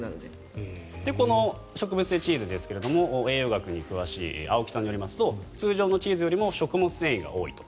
この植物性チーズですが栄養学に詳しい青木さんによりますと通常のチーズよりも食物繊維が多いと。